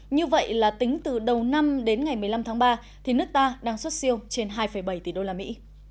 như vậy là tính từ đầu năm đến ngày một mươi năm tháng ba thì nước ta đang xuất siêu trên hai bảy tỷ đô la mỹ